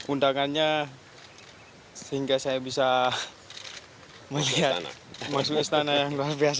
undangannya sehingga saya bisa melihat masuk istana yang luar biasa